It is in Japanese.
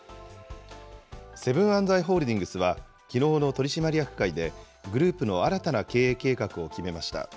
セブン＆アイ・ホールディングスは、きのうの取締役会で、グループの新たな経営計画を決めました。